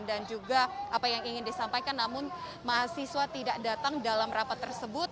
dan juga apa yang ingin disampaikan namun mahasiswa tidak datang dalam rapat tersebut